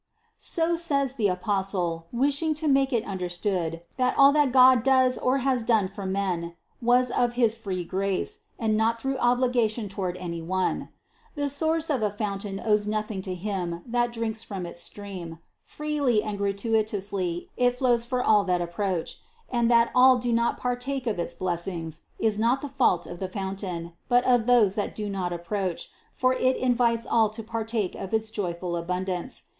So says the Apostle, wishing to make it under stood, that all that God does or has done for men, was of his free grace, and not through obligation toward 212 CITY OF GOD any one. The source of a fountain owes nothing to him that drinks from its stream; freely and gratuitously it flows for all that approach; and that all do not partake of its blessings is not the fault of the fountain, but of those that do not approach, for it invites all to partake of its joyful abundance.